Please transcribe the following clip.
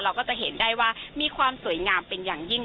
ก็จะเห็นได้ว่ามีความสวยงามเป็นอย่างยิ่ง